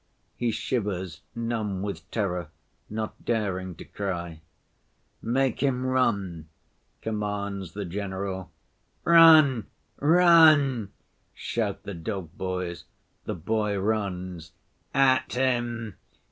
He shivers, numb with terror, not daring to cry.... 'Make him run,' commands the general. 'Run! run!' shout the dog‐boys. The boy runs.... 'At him!